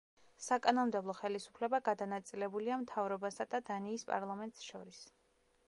საკანონმდებლო ხელისუფლება გადანაწილებულია მთავრობასა და დანიის პარლამენტს შორის.